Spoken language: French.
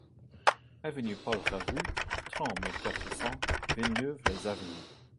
Avenue Paul Ravoux, trente mille quatre cents Villeneuve-lès-Avignon